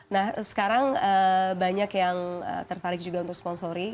nah sekarang banyak yang tertarik juga untuk sponsori